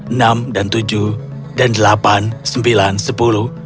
enam dan tujuh dan delapan sembilan sepuluh